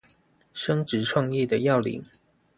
升職創業的要領